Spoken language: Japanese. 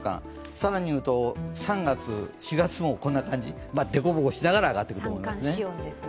更にいうと３月、４月もこんな感じ、凸凹しながら上がっていくと思いますね。